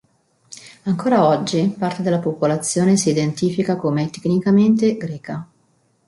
Ancora oggi, parte della popolazione si identifica come etnicamente greca.